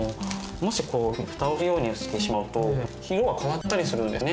もしこういうふうにフタをするようにしてしまうと色が変わっちゃったりするんですよね